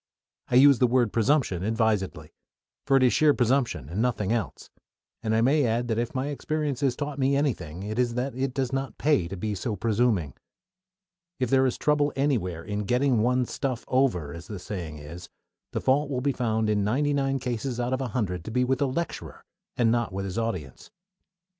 I use the word "presumption" advisedly; for it is sheer presumption and nothing else, and I may add that if my experience has taught me anything, it is that it does not pay to be so presuming. If there is trouble anywhere in "getting one's stuff over," as the saying is, the fault will be found in ninety nine cases out of a hundred to be with the lecturer, and not with his audience.